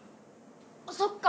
そっか。